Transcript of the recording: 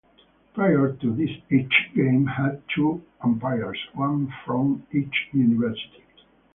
Prior to this each game had two umpires, one from each university.